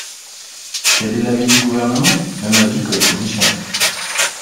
Quel est l’avis du Gouvernement ? Même avis que la commission.